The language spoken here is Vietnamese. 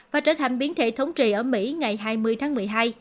và trở thành biến thể thống trị ở mỹ ngày hai mươi tháng một mươi hai